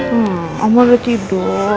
hmm koma udah tidur